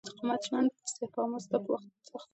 سپما ستا په سختو ورځو کې ستا تر ټولو نږدې ملګرې ده.